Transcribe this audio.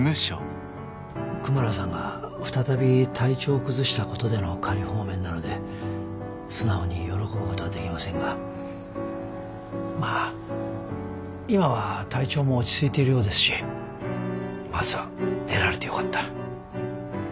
クマラさんが再び体調を崩したことでの仮放免なので素直に喜ぶことはできませんがまあ今は体調も落ち着いているようですしまずは出られてよかった。